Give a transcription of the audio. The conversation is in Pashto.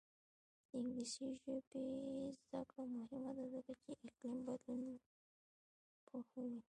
د انګلیسي ژبې زده کړه مهمه ده ځکه چې اقلیم بدلون پوهوي.